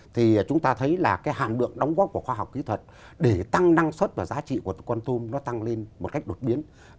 thì chúng ta thấy là cái hàm lượng đóng góp của khoa học kỹ thuật để tăng năng suất và giá trị của con tôm nó tăng lên một cách đột biến